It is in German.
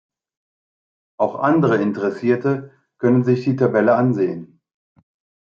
Auch andere Interessierte können sich die Tabelle ansehen.